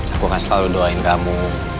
aku akan selalu doain kamu